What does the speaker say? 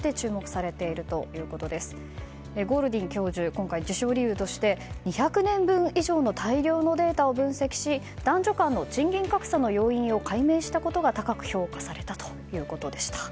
今回、受賞理由として２００年分以上の大量のデータを分析し男女間の賃金格差の要因を解明したことが高く評価されたということでした。